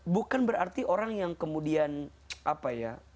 bukan berarti orang yang kemudian apa ya